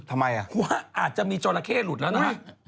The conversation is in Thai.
ทำไมอ่ะว่าอาจจะมีจราเข้หลุดแล้วนะฮะ